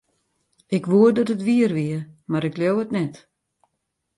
Ik woe dat it wier wie, mar ik leau it net.